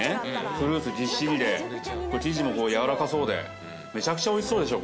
フルーツぎっしりで生地もやわらかそうでめちゃくちゃおいしそうでしょ